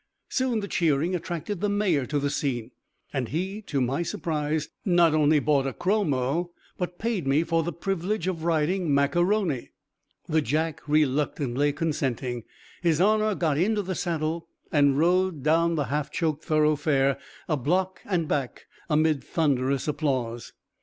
Soon the cheering attracted the Mayor to the scene, and he, to my surprise, not only bought a chromo, but paid me for the privilege of riding Mac A'Rony. The jack reluctantly consenting, his Honor got into the saddle and rode down the half choked thoroughfare a block and back amid thunderous applause.